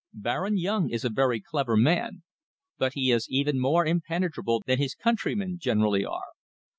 Baron Yung is a very clever man, but he is even more impenetrable than his countrymen generally are.